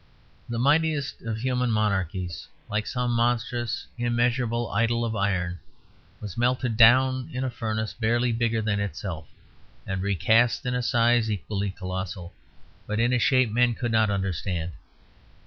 The mightiest of human monarchies, like some monstrous immeasurable idol of iron, was melted down in a furnace barely bigger than itself, and recast in a size equally colossal, but in a shape men could not understand.